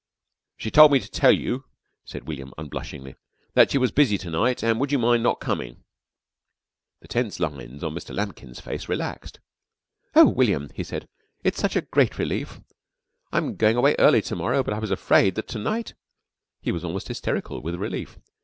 "She told me to tell you," said William unblushingly, "that she was busy to night, an' would you mind not coming." The tense lines of Mr. Lambkin's face relaxed. "Oh, William," he said, "it's a great relief. I'm going away early to morrow, but I was afraid that to night " he was almost hysterical with relief.